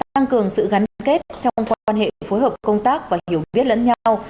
tăng cường sự gắn kết trong quan hệ phối hợp công tác và hiểu biết lẫn nhau